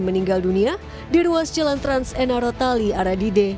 meninggal dunia di ruas jalan trans enarotali aradide